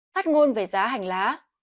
phát ngôn về giá hành lá